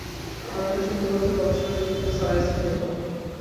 আলো নিয়ে সত্যিকার অর্থে গবেষণা শুরু করেন স্যার আইজ্যাক নিউটন।